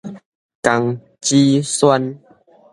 江芷萱